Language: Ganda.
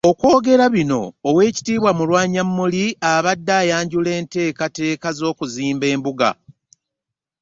Okwogera bino, Oweekitiibwa Mulwannyammuli abadde ayanjula enteekateeka z'okuzimba embuga